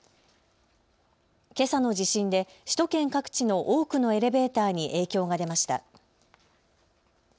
けさの地震で首都圏各地の多くのエレベーターに影響が出ました。